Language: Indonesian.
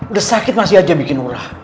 udah sakit masih aja bikin murah